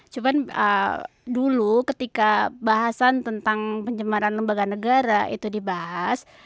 cuma dulu ketika bahasan tentang pencemaran lembaga negara itu dibahas